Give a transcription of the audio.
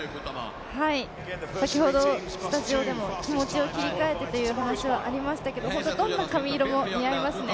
先ほどスタジオでも気持ちを切り替えてという話はありましたけどどんな髪色も似合いますね。